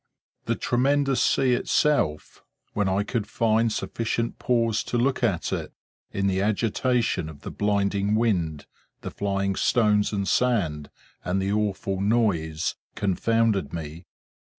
The tremendous sea itself, when I could find sufficient pause to look at it, in the agitation of the blinding wind, the flying stones and sand, and the awful noise, confounded me.